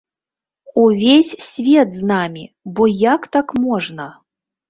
Увесь свет з намі, бо як так можна!?